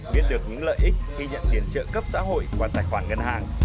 biết được những lợi ích khi nhận tiền trợ cấp xã hội qua tài khoản ngân hàng